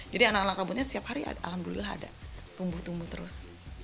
jadi anak anak rambutnya setiap hari alhamdulillah ada tumbuh tumbuh terus